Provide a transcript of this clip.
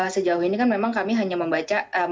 sejauh ini kan memang kami hanya membaca